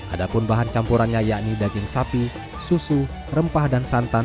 ada pun bahan campurannya yakni daging sapi susu rempah dan santan